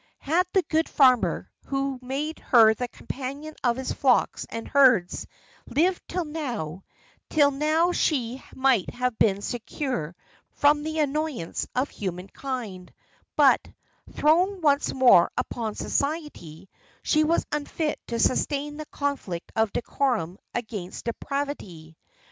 Had the good farmer, who made her the companion of his flocks and herds, lived till now, till now she might have been secure from the annoyance of human kind; but, thrown once more upon society, she was unfit to sustain the conflict of decorum against depravity.